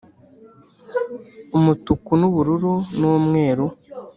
umutuku n'ubururu n'umweru.